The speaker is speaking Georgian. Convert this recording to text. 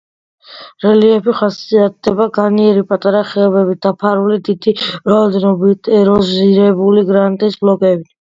რელიეფი ხასიათდება განიერი, პატარა ხეობებით, დაფარული დიდი რაოდენობით ეროზირებული გრანიტის ბლოკებით.